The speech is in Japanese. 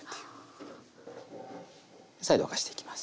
再度沸かしていきます。